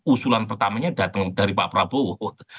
usulan pertamanya datang dari pak prabowo